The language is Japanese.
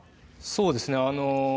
そうですね。